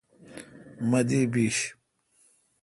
مہ دی بیش۔